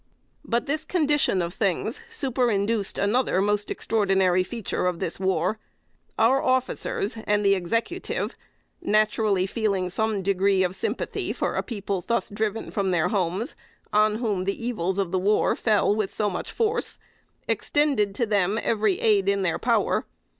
But this condition of things superinduced another most extraordinary feature of this war. Our officers, and the Executive, naturally feeling some degree of sympathy for a people thus driven from their homes, on whom the evils of war fell with so much force, extended to them every aid in their power.